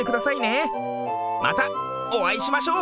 またおあいしましょう。